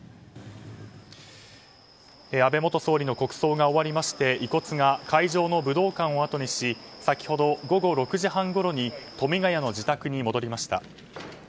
安倍元総理の国葬が終わりまして遺骨が会場の武道館をあとにし先ほど午後６時半ごろに富ヶ谷の自宅に戻りました。